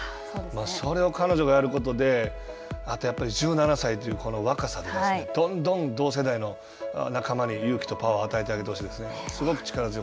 それを彼女がやることであとやっぱり１７歳という若さでですねどんどん同世代の仲間に勇気とパワーを与えてほしいですね。